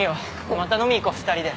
また飲み行こう２人で。